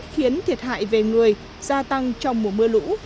khiến thiệt hại về người gia tăng trong mùa mưa lũ